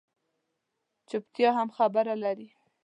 چُپتیا هم خبره لري